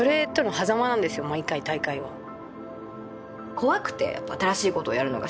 怖くてやっぱ新しいことやるのが。